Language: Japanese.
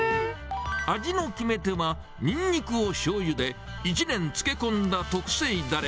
味の決め手は、えニンニクをしょうゆで１年漬け込んだ特製だれ。